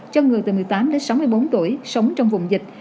cho người từ một mươi tám đến sáu mươi bốn tuổi sống trong vùng dịch